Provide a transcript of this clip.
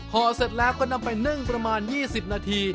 เสร็จแล้วก็นำไปนึ่งประมาณ๒๐นาที